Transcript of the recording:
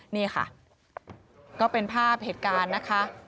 นี่ค่ะก็เป็นภาพเหตุการณ์นะคะ